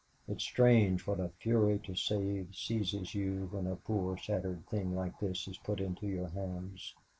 It's strange what a fury to save seizes you when a poor shattered thing like this is put into your hands.